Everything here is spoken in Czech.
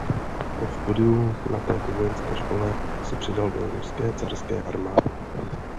Po studiu na této vojenské škole se přidal do ruské carské armády.